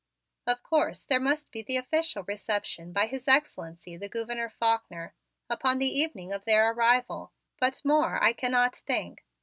"Of course, there must be the official reception by His Excellency, the Gouverneur Faulkner, upon the evening of their arrival, but more I cannot think.